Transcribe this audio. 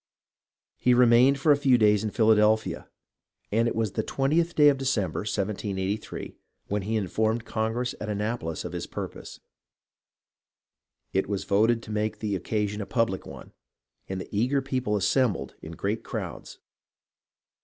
He remained for a few days in Philadelphia, and it was the twentieth day of December, 1783, when he informed Congress at Annapolis of his purpose. It was voted to make the occasion a public one, and the eager people assem bled in great crowds.